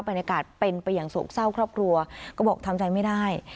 บรรยากาศเป็นไปอย่างโศกเศร้าครอบครัวก็บอกทำใจไม่ได้